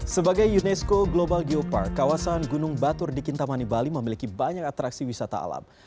sebagai unesco global geopark kawasan gunung batur di kintamani bali memiliki banyak atraksi wisata alam